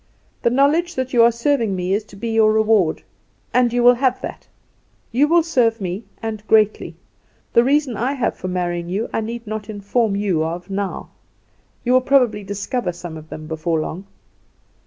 The knowledge that you are serving me is to be your reward; and you will have that. You will serve me, and greatly. The reasons I have for marrying you I need not inform you of now; you will probably discover some of them before long."